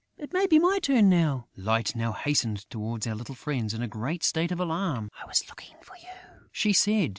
It may be my turn now!" Light now hastened towards our little friends in a great state of alarm: "I was looking for you," she said.